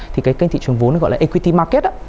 thì cái kênh thị trường vốn gọi là equity market